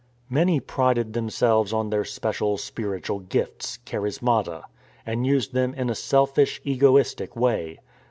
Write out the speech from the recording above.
Many prided themselves on their special " spiritual gifts" (charismata), and used them in a selfish, ego istic way.